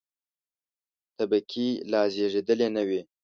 طبقې لا زېږېدلې نه وې.